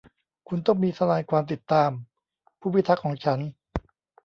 คุณต้องมีทนายความติดตามผู้พิทักษ์ของฉัน